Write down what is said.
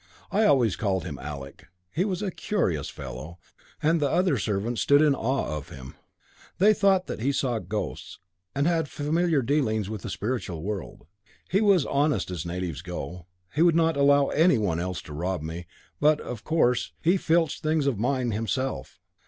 I always called him Alec. He was a curious fellow, and the other servants stood in awe of him. They thought that he saw ghosts and had familiar dealings with the spiritual world. He was honest as natives go. He would not allow anyone else to rob me; but, of course, he filched things of mine himself.